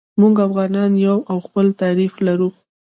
موږ افغانان یو او خپل تعریف لرو.